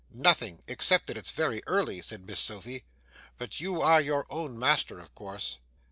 'Nothing, except that it's very early,' said Miss Sophy; 'but you are your own master, of course.